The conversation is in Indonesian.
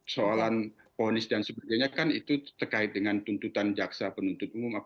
soalan ponis dan sebagainya kan itu terkait dengan tuntutan jaksa penuntut umum